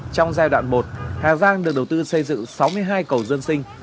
trong giai đoạn một hà giang được đầu tư xây dựng sáu mươi hai cầu dân sinh